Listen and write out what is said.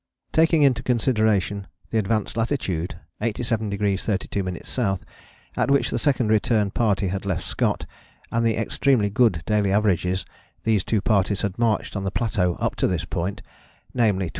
Taking into consideration the advanced latitude, 87° 32´ S., at which the Second Return Party had left Scott, and the extremely good daily averages these two parties had marched on the plateau up to this point, namely 12.